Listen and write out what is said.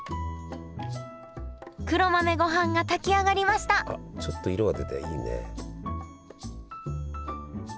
黒豆ごはんが炊き上がりましたあっちょっと色が出ていいね。